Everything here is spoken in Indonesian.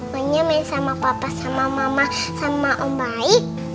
pokoknya main sama papa sama mama sama om baik